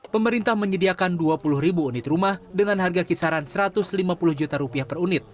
pemerintah menyediakan dua puluh ribu unit rumah dengan harga kisaran satu ratus lima puluh juta rupiah per unit